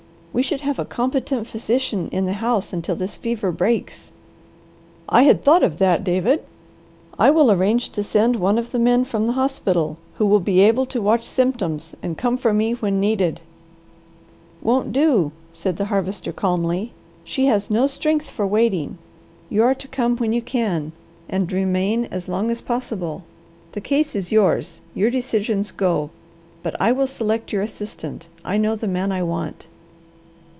We should have a competent physician in the house until this fever breaks." "I had thought of that, David. I will arrange to send one of the men from the hospital who will be able to watch symptoms and come for me when needed." "Won't do!" said the Harvester calmly. "She has no strength for waiting. You are to come when you can, and remain as long as possible. The case is yours; your decisions go, but I will select your assistant. I know the man I want."